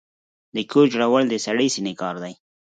د کور جوړول د سړې سينې کار دی.